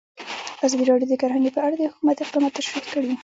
ازادي راډیو د کرهنه په اړه د حکومت اقدامات تشریح کړي.